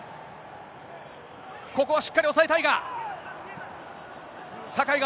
ここはしっかり押さえたいが。